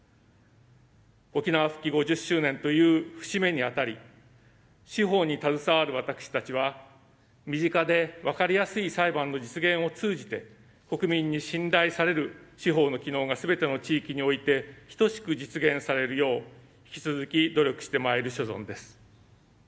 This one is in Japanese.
沖縄復帰５０周年という節目にあたり司法に携わる私たちは身近で分かりやすい裁判の実現を通じて国民に信頼される司法の機能がすべての地域においてひとしく実現されるよう引き続き努力してまいる所存です。